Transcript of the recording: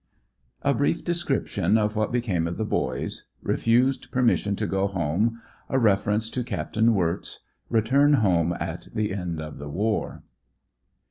A BKIEF DESCRIPTION OF WHAT BECAME OF THE BOYS— REFUSED PERMISSION TO GO HOME — A REFERENCE TO CAPT. WIRTZ — RETURN HOME AT THE END OF THE WAR.